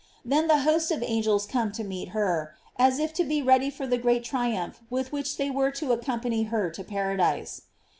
Then the host of angels come lo meet her, as if to be ready for the great triumph with which they were to accompany her to par adise.